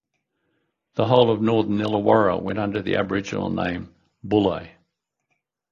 The whole of Northern Illawarra went under the Aboriginal name Bulli.